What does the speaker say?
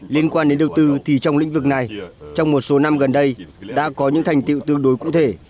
liên quan đến đầu tư thì trong lĩnh vực này trong một số năm gần đây đã có những thành tiệu tương đối cụ thể